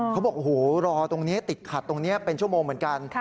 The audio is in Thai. เขาบอกโอ้โหรอตรงนี้ติดขัดตรงนี้เป็นชั่วโมงเหมือนกัน